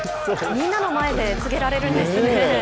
みんなの前で告げられるんですね。